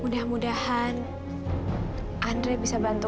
tidak ada pengawal menschen